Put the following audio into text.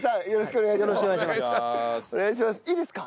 お願いします。